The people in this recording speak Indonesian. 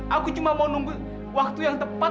aku cuma mau nunggu waktu yang tepat